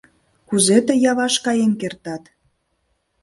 — Кузе тый Яваш каен кертат?